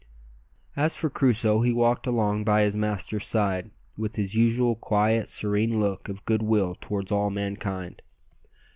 As for Crusoe, he walked along by his master's side with his usual quiet, serene look of good will towards all mankind.